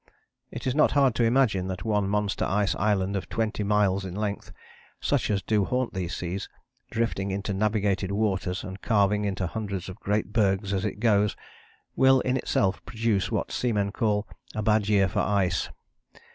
It is not hard to imagine that one monster ice island of twenty miles in length, such as do haunt these seas, drifting into navigated waters and calving into hundreds of great bergs as it goes, will in itself produce what seamen call a bad year for ice.